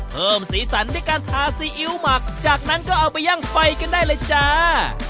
สีสันด้วยการทาซีอิ๊วหมักจากนั้นก็เอาไปยั่งไฟกันได้เลยจ้า